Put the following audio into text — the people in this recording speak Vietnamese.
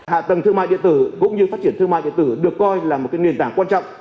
hạ tầng thương mại điện tử cũng như phát triển thương mại điện tử được coi là một nền tảng quan trọng